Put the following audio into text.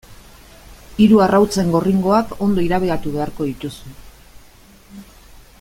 Hiru arrautzen gorringoak ondo irabiatu beharko dituzu.